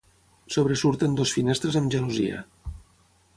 Sobresurten dues finestres amb gelosia.